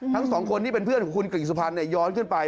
ทั้งสองคนที่เป็นเพื่อนของคุณกริ่งสุพรรณย้อนขึ้นไป